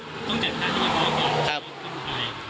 ต้องจัดท่าให้มันเรียบร้อยก่อน